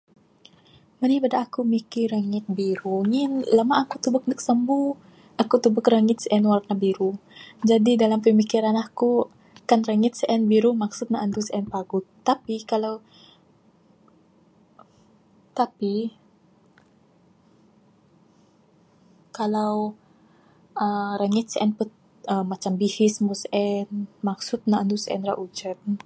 Manih bada aku mikir rangit biru, ngin lamak aku tebek neg sambu, aku tebek rangit sien warna biru, jadi dalam pemikiran aku, kan rangit sien biru maksud ne andu sien paguh, tapi kalau, tapi kalau aaa rangit sien pet... aaa macam bihis meng sien, maksud ne andu sien ra ujan.